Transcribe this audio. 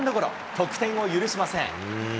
得点を許しません。